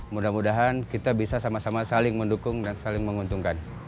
mudah mudahan kita bisa sama sama saling mendukung dan saling menguntungkan